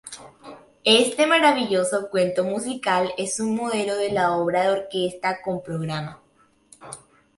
Este maravilloso cuento musical es un modelo de la obra de orquesta con programa.